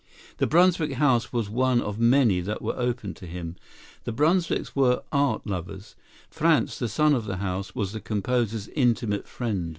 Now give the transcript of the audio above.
The Brunswick house was one of many that were open to him. The Brunswicks were art lovers. Franz, the son of the house, was the composer's intimate friend.